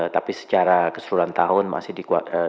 tapi secara keseluruhan tahun masih di dua dua